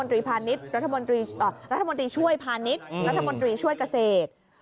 พาณิชย์รัฐมนตรีช่วยพาณิชย์รัฐมนตรีช่วยเกษตร